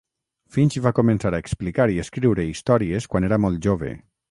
Finch va començar a explicar i escriure històries quan era molt jove.